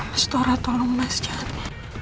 mas tora tolong mas jahatnya